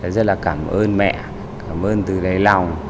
rất là cảm ơn mẹ cảm ơn từ đáy lòng